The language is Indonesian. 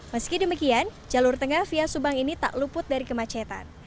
meski demikian jalur tengah via subang ini tak luput dari kemacetan